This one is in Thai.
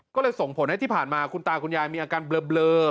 ก็เลยส่งผลให้ที่ผ่านมาคุณตาคุณยายมีอาการเบลอ